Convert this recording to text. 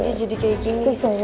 dia jadi kayak gini